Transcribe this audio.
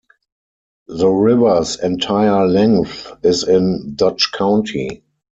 The river's entire length is in Dodge County.